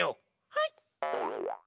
はい。